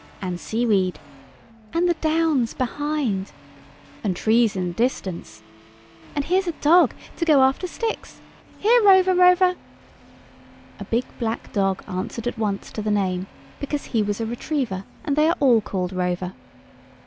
"And seaweed." "And the downs behind!" "And trees in the distance!" "And here's a dog, to go after sticks. Here, Rover, Rover." A big black dog answered at once to the name, because he was a retriever, and they are all called Rover.